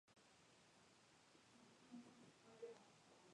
Durante dicho encuentro se decidió formalizar un pacto de alianza entre ambos.